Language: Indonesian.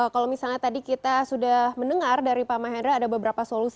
kalau misalnya tadi kita sudah mendengar dari pak mahendra ada beberapa solusi